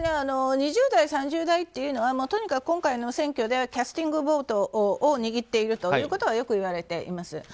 ２０代、３０代というのはとにかく今回の選挙でキャスティングボードを握っているということはよくいわれています。